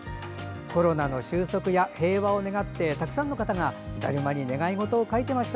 コロナの終息や平和を願ってたくさんの方がだるまに願い事を書いていました。